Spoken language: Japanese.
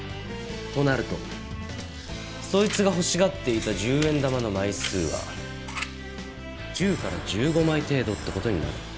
となるとそいつが欲しがっていた１０円玉の枚数は１０から１５枚程度って事になる。